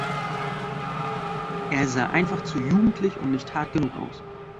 Er sah einfach zu jugendlich und nicht hart genug aus.